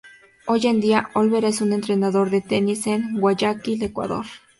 Hoy en día, Olvera es un entrenador de tenis en Guayaquil, Ecuador.